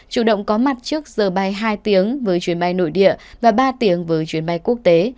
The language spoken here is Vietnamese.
chủ động có mặt trước giờ bay hai tiếng với chuyến bay nội địa và ba tiếng với chuyến bay quốc tế